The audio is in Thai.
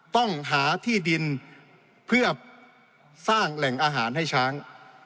ต้องหาที่ดินเพื่อสร้างแหล่งอาหารให้ช้าง